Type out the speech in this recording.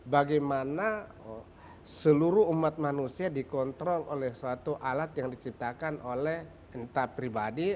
bagaimana seluruh umat manusia dikontrol oleh suatu alat yang diciptakan oleh entah pribadi